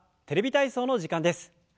「テレビ体操」の時間です。